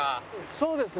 そうですね。